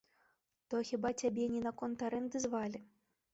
То хіба цябе не наконт арэнды звалі?